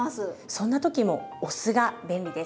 そんな時もお酢が便利です。